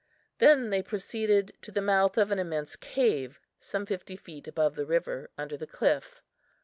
Then they proceeded to the mouth of an immense cave, some fifty feet above the river, under the cliff.